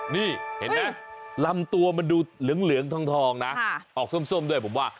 นี่เห็นไหมลำตัวมันดูเหลืองทองนะออกส้มด้วยผมว่า